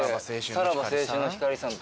さらば青春の光さんとか。